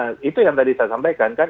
nah itu yang tadi saya sampaikan kan